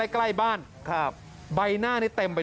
ใกล้บ้านครับใบหน้านี้เต็มไป